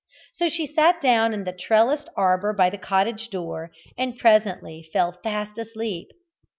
So she sat down in the trellised arbour by the cottage door, and presently fell fast asleep.